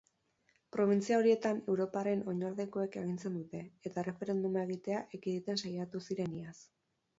Probintzia horietan europarren oinordekoek agintzen dute eta erreferenduma egitea ekiditen saiatu ziren iaz.